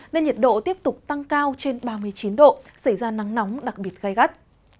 nên nhiệt độ tiếp tục tăng cao trên ba mươi chín độ xảy ra nắng nóng đặc biệt gai gắt